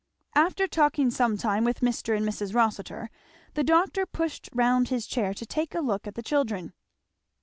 After talking some time with Mr. and Mrs. Rossitur the doctor pushed round his chair to take a look at the children.